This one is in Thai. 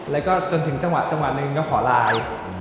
แล้วก็จนถึงจังหวะหนึ่งก็ขอไลน์